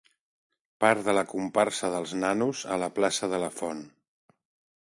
Part de la comparsa dels Nanos a la plaça de la Font.